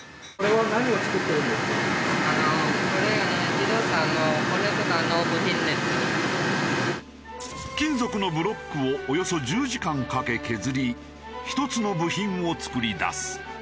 実際金属のブロックをおよそ１０時間かけ削り１つの部品を作り出す。